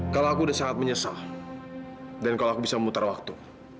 kalau aku udah sangat menyesal dan kalau aku bisa memutar waktu